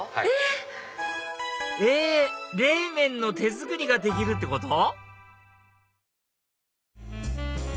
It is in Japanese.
冷麺の手作りができるってこと？